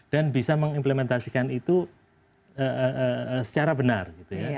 dan bisa mengimplementasikan itu secara benar gitu ya